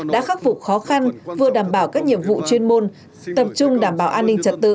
đã khắc phục khó khăn vừa đảm bảo các nhiệm vụ chuyên môn tập trung đảm bảo an ninh trật tự